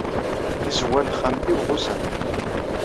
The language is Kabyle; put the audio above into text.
Tizewwa n texxamt-inu ɣusant.